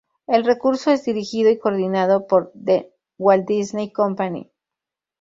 El recurso es dirigido y coordinado por The Walt Disney Company.